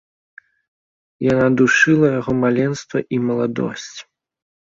Яна душыла яго маленства і маладосць.